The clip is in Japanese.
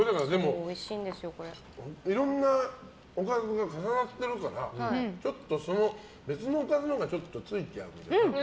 いろんなおかずが重なってるからちょっと別のおかずのがついたりしてて。